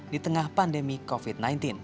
di tengah pandemi covid sembilan belas